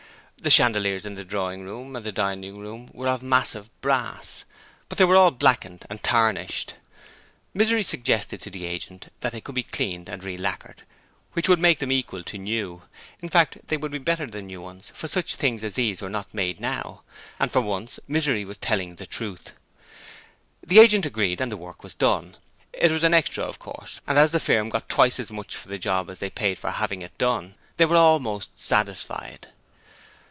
The chandeliers in the drawing room and the dining room were of massive brass, but they were all blackened and tarnished. Misery suggested to the agent that they could be cleaned and relacquered, which would make them equal to new: in fact, they would be better than new ones, for such things as these were not made now, and for once Misery was telling the truth. The agent agreed and the work was done: it was an extra, of course, and as the firm got twice as much for the job as they paid for having it done, they were almost satisfied.